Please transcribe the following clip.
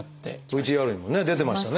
ＶＴＲにもね出てましたね。